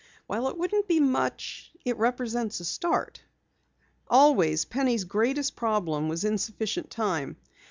"While it wouldn't be much, it represents a start." Always, Penny's greatest problem was insufficient time.